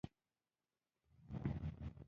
مولانا صاحب پۀ شانګله کښې